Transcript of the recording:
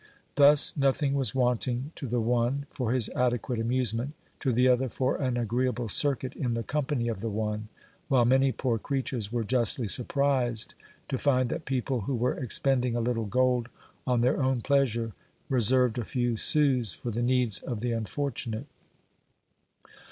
Thus nothing was wanting to the one for his adequate amuse ment, to the other for an agreeable circuit in the company of the one ; while many poor creatures were justly surprised to find that people who were expending a little gold on their own pleasure reserved a few sous for the needs of the unfortunate.